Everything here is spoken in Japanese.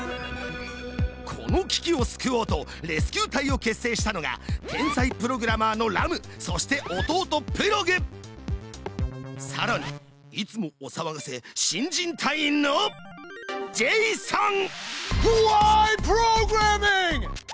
この危機を救おうとレスキュー隊を結成したのが天才プログラマーのラムそして弟プログさらにいつもおさわがせ新人隊員のジェイソン！